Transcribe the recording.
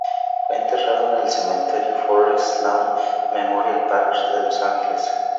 Fue enterrado en el Cementerio Forest Lawn Memorial Park de Los Ángeles.